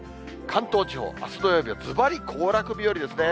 関東地方、あす土曜日はずばり行楽日和ですね。